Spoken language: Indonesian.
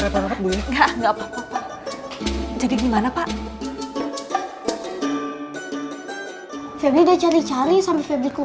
tut bikinin kopi ya tut